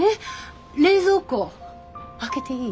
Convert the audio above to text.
冷蔵庫開けていい？